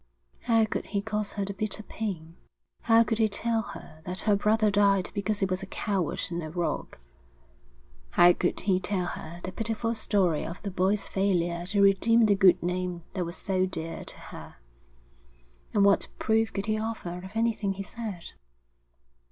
How could he cause her the bitter pain? How could he tell her that her brother died because he was a coward and a rogue? How could he tell her the pitiful story of the boy's failure to redeem the good name that was so dear to her? And what proof could he offer of anything he said?